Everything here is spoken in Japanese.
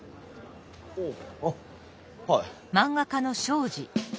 あっはい。